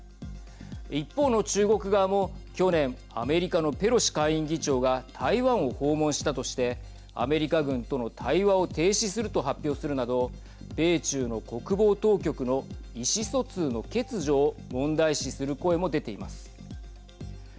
一方の中国側も去年アメリカのペロシ下院議長が台湾を訪問したとしてアメリカ軍との対話を停止すると発表するなど米中の国防当局の意思疎通の欠如を問題視する声も出ています。